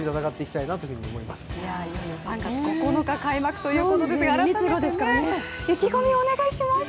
いよいよ３月９日開幕ということですが改めて意気込みをお願いします。